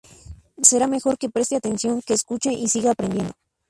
Será mejor que preste atención, que escuche y siga aprendiendo.